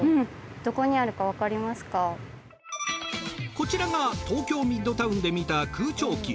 こちらが東京ミッドタウンで見た空調機。